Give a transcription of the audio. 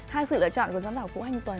hai sự lựa chọn của giám khảo vũ anh tuấn